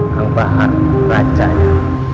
yang bahar racanya